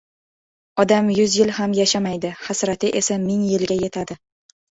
• Odam yuz yil ham yashamaydi, hasrati esa ming yilga yetadi.